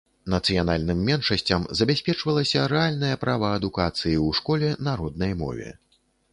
Нацыянальным меншасцям забяспечвалася рэальнае права адукацыі ў школе на роднай мове.